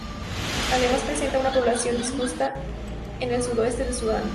Además presenta una población disjunta en el sudoeste de Sudán.